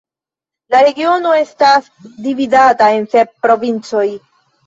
La regiono estas dividata en sep provincoj.